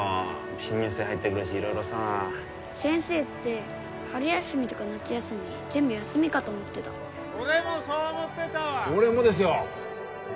新入生入ってくるし色々さ先生って春休みとか夏休み全部休みかと思ってた俺もそう思ってたわ俺もですよ